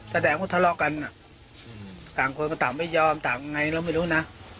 แสดงว่าทะเลาะกันต่างคนก็ต่างไม่ยอมต่างไงเราไม่รู้นะ